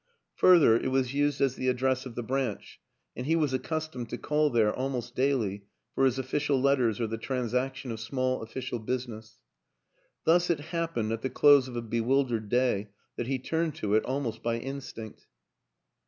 Further, it was used as the address of the Branch, and he was accustomed to call there almost daily for his official letters or the transaction of small official business. Thus it happened, at the close of a bewildered day, that he turned to it almost by instinct.